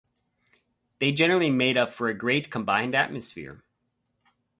They generally made up for a great combined atmosphere.